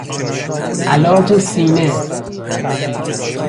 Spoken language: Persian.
علاج سینه